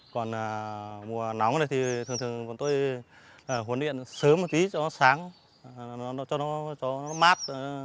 còn mùa nóng này thì thường thường tôi huấn luyện sớm một tí cho nó sáng cho nó mát